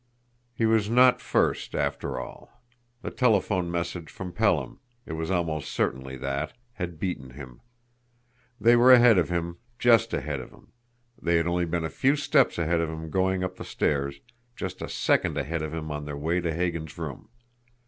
He was not first, after all! The telephone message from Pelham it was almost certainly that had beaten him! They were ahead of him, just ahead of him, they had only been a few steps ahead of him going up the stairs, just a second ahead of him on their way to Hagan's room!